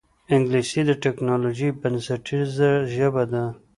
انګلیسي د ټکنالوجۍ بنسټیزه ژبه ده